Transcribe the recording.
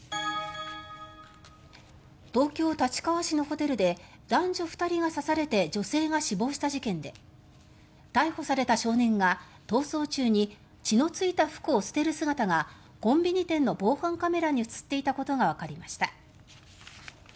東京・立川市のホテルで男女２人が刺されて女性が死亡した事件で逮捕された少年が逃走中に血のついた服を捨てる姿がコンビニ店の防犯カメラに映っていたことがわかりました。